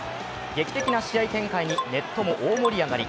劇的な試合展開にネットも大盛り上がり。